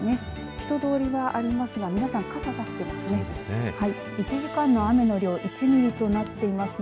人通りはありますが皆さん傘をさしていますね。